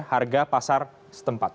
harga pasar setempat